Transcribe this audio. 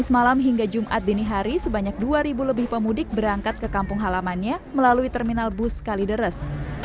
sehingga jumat ini hari sebanyak dua lebih pemudik berangkat ke kampung halamannya melalui terminal bus kalideres